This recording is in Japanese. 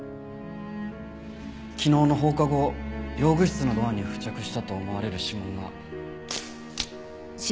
昨日の放課後用具室のドアに付着したと思われる指紋が。